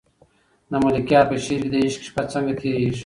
د ملکیار په شعر کې د عشق شپه څنګه تېرېږي؟